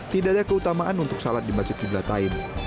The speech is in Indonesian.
tidak ada keutamaan untuk salat di masjid qiblat tain